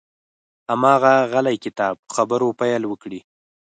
هماغه غلی کتاب په خبرو پیل وکړي.